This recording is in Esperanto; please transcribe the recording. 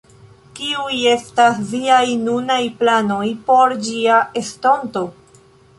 Kiuj estas viaj nunaj planoj por ĝia estonto?